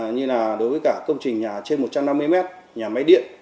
như là đối với cả công trình nhà trên một trăm năm mươi mét nhà máy điện